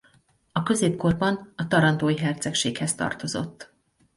A középkorban a Tarantói Hercegséghez tartozott.